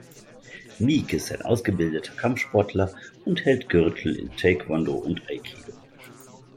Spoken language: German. Meek ist ein ausgebildeter Kampfsportler und hält Gürtel in Taekwondo und Aikido.